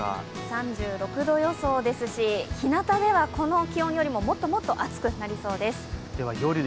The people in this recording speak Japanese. ３６度予想ですし、ひなたではこの気温よりも暑くなりそうです。